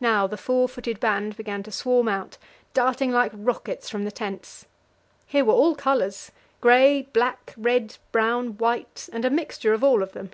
Now the four footed band began to swarm out, darting like rockets from the tents. Here were all colours grey, black, red, brown, white, and a mixture of all of them.